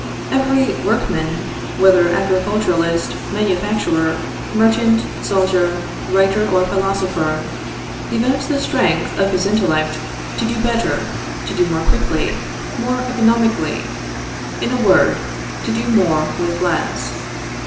Every workman, whether agriculturist, manufacturer, merchant, soldier, writer or philosopher, devotes the strength of his intellect to do better, to do more quickly, more economically, in a word, to do more with less.